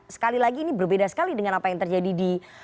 sekali lagi ini berbeda sekali dengan apa yang terjadi di